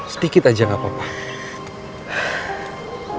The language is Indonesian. sedikit aja gak apa apa